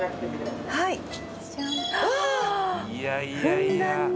ふんだんに。